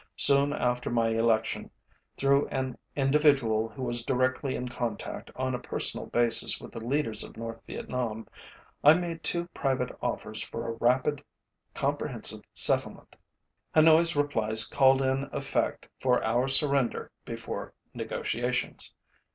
Soon after my election, through an individual who was directly in contact on a personal basis with the leaders of North Vietnam, I made two private offers for a rapid, comprehensive settlement. HanoiÆs replies called in effect for our surrender before negotiations.